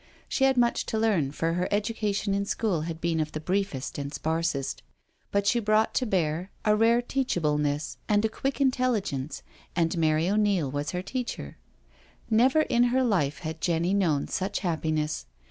She had much to learn, for her education in school had been of the briefest and sparsest, but she brought to bear a rare teachableness and a quick intelligence, and Mary O'Neil was her teacher. Never in her life had Jenny known such happiness.